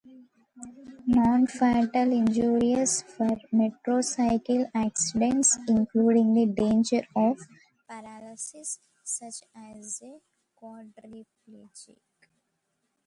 Non-fatal injuries for motorcycle accidents include the danger of paralysis, such as a quadriplegic.